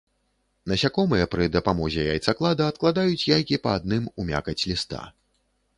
Насякомыя пры дапамозе яйцаклада адкладаюць яйкі па адным у мякаць ліста.